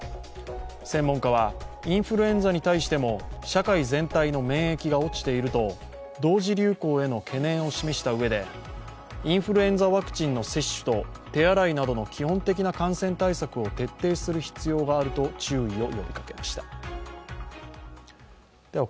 専門家は、インフルエンザに対しても社会全体の免疫が落ちていると同時流行への懸念を示したうえで、インフルエンザワクチンの接種と手荒いなどの基本的な感染対策を徹底する必要があると注意を呼びかけました。